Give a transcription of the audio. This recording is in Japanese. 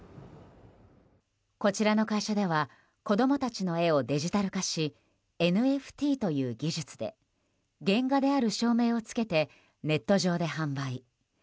こちらの会社では子供たちの絵をデジタル化しＮＦＴという技術で原画である証明をつけてネット上で販売。